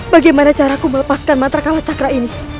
bagaimana caraku melepaskan mantra kala chakra ini